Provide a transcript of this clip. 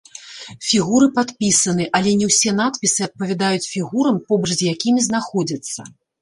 Фігуры падпісаны, але не ўсе надпісы адпавядаюць фігурам, побач з якімі знаходзяцца.